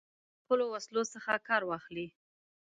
له خپلو وسلو څخه کار واخلي.